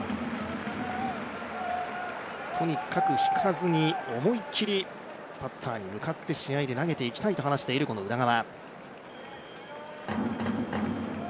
とにかく引かずに思い切りバッターに向かって試合で投げていきたいと話している宇田川。